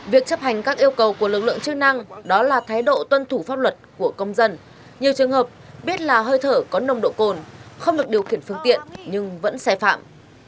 việc chấp hành các yêu cầu của lực lượng chức năng đó là thái độ tuân thủ pháp luật của công dân nhiều trường hợp biết là hơi thở có nồng độ cồn không được điều khiển phương tiện nhưng vẫn xe phạm